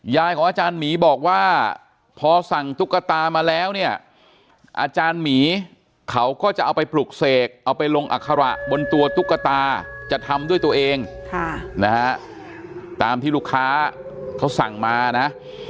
ของอาจารย์หมีบอกว่าพอสั่งตุ๊กตามาแล้วเนี่ยอาจารย์หมีเขาก็จะเอาไปปลุกเสกเอาไปลงอัคระบนตัวตุ๊กตาจะทำด้วยตัวเองนะฮะตามที่ลูกค้าเขาสั่งมานะ